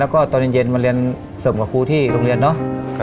แล้วก็ตอนเย็นมาเรียนส่งกับครูที่โรงเรียนเนาะ